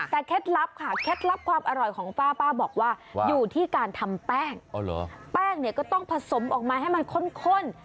แต่เคล็ดลับค่ะเคล็ดลับความอร่อยของป้าป้าบอกว่าอยู่ที่การทำแป้งแป้งเนี่ยก็ต้องผสมออกมาให้มันข้น